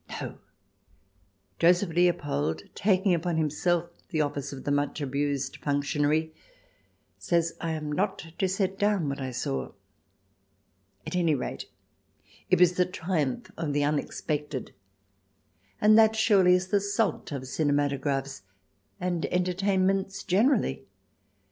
. No ! Joseph Leopold, taking upon himself the office of the much abused functionary, says that I am not to set down what I saw. At any rate, it was the triumph of the unexpected, and that surely is the salt of cinemato graphs and entertainments generally.